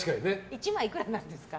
１枚いくらなんですか？